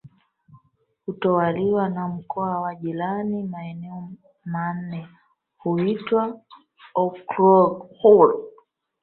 hutawaliwa na mkoa wa jirani Maeneo manne huitwa okrug huru